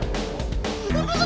gak apa apa kak